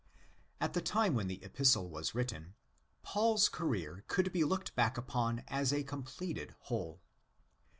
At the time when the Epistle was written, Paul's career could be looked back upon as a completed whole.